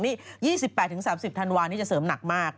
นี่๒๘๓๐ธันวานี่จะเสริมหนักมาก